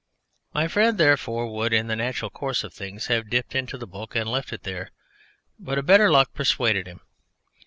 My friend therefore would in the natural course of things have dipped into the book and left it there; but a better luck persuaded him.